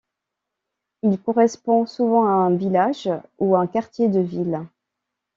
Il correspond souvent à un village ou un quartier de ville.